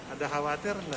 ada khawatir enggak